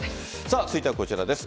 続いてはこちらです。